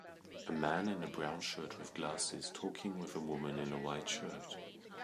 A man in a brown shirt with glasses talking with a woman in a white shirt.